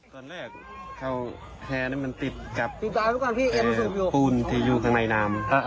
ตอนแรกแฮร่ที่น่ะมันติดกับปูนที่อยู่อยู่ข้างในนำ